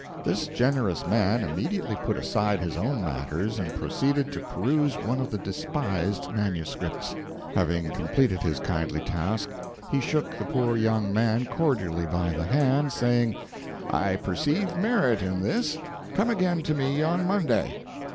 This generous man immediately put aside his own matters and proceeded to peruse one of the despised manuscripts. Having completed his kindly task, he shook the poor young man cordially by the hand, saying, "I perceive merit in this; come again to me on Monday."